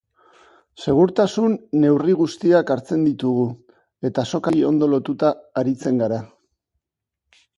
Segurtasun neurri guztiak hartzen ditugu eta sokari ondo lotuta aritzen gara.